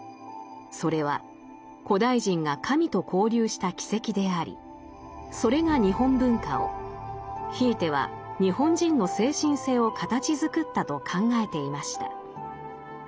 それは古代人が神と交流した軌跡でありそれが日本文化をひいては日本人の精神性を形づくったと考えていました。